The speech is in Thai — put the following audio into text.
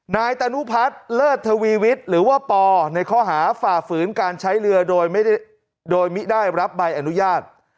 นายตานุพัฒน์เลิศทวีวิทย์หรือว่าปอในข้อหาฝ่าฝืนการใช้เรือโดยไม่ได้โดยมิได้รับใบอนุญาต